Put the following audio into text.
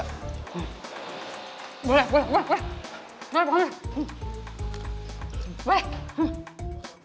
boleh boleh boleh pak amir